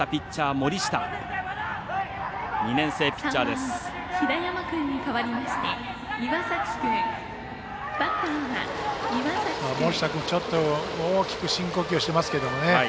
森下君、大きく深呼吸をしてますけどね。